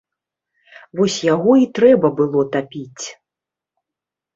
Вось яго і трэба было тапіць.